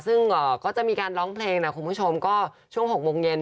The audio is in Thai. ซึ่งก็จะมีการร้องเพลงนะคุณผู้ชมก็ช่วง๖โมงเย็น